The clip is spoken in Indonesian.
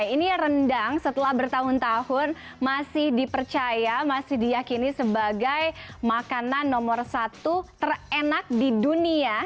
ini rendang setelah bertahun tahun masih dipercaya masih diyakini sebagai makanan nomor satu terenak di dunia